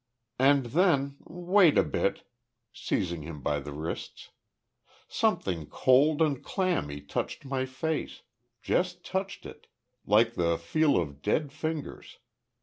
"And then wait a bit," seizing him by the wrists. "Something cold and clammy touched my face, just touched it like the feel of dead fingers.